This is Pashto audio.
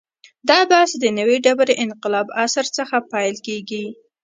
دا بحث د نوې ډبرې انقلاب عصر څخه پیل کېږي.